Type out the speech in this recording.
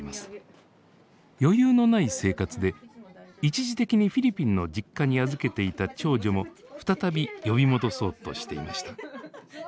余裕のない生活で一時的にフィリピンの実家に預けていた長女も再び呼び戻そうとしていました。